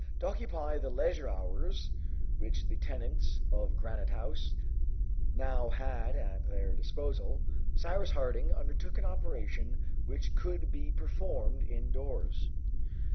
To occupy the leisure hours, which the tenants of Granite House now had at their disposal, Cyrus Harding undertook an operation which could be performed indoors.